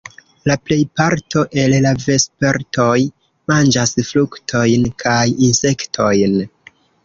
La plejparto el la vespertoj manĝas fruktojn kaj insektojn.